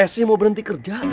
snya mau berhenti kerja